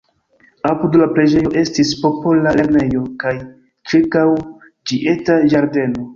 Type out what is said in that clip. Apud la preĝejo estis popola lernejo kaj ĉirkaŭ ĝi eta ĝardeno.